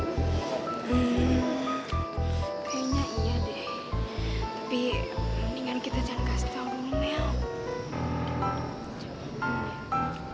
tapi mendingan kita jangan kasih tahu dulu nel